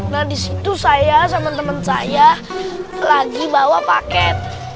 nah di situ saya sama temen saya lagi bawa paket